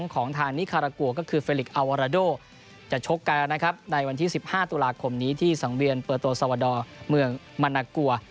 เบอร์๒ของทางนิครากัวก็คือเฟลิกเอาอาราโด่จะชบกันนะครับที่ที่๑๕ตุลาคมนี้ที่สังเวียนเปิดโตรสวดอลเมืองมะนากัว